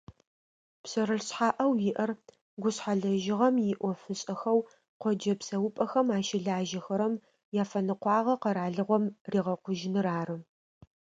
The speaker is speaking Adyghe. Пшъэрылъ шъхьаӏэу иӏэр гушъхьэлэжьыгъэм иӏофышӏэхэу къоджэ псэупӏэхэм ащылажьэхэрэм яфэныкъуагъэ къэралыгъом ригъэкъужьыныр ары.